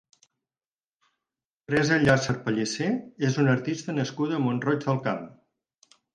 Teresa Llàcer Pellicer és una artista nascuda a Mont-roig del Camp.